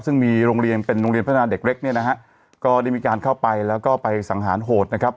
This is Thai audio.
ซึ่งมีโรงเรียนเป็นโรงเรียนพัฒนาเด็กเล็กเนี่ยนะฮะก็ได้มีการเข้าไปแล้วก็ไปสังหารโหดนะครับ